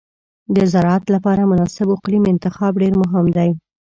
د زراعت لپاره مناسب اقلیم انتخاب ډېر مهم دی.